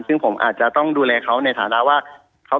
ซึ่งผมอาจจะต้องดูแลเขาในฐานะว่า